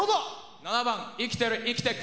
７番「生きてる生きてく」。